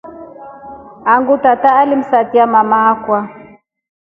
Angu tata alimsatia mma akwa.